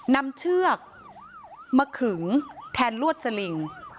นำเชือกมาขึงแทนลวดสลิง